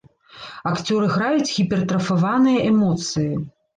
Акцёры граюць гіпертрафаваныя эмоцыі.